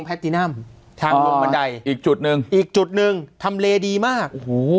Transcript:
ตินัมทางลงบันไดอีกจุดหนึ่งอีกจุดหนึ่งทำเลดีมากโอ้โห